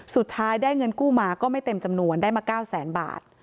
สุดท้ายได้เงินกู้มาก็ไม่เต็มจำนวนได้มา๙แสนบาท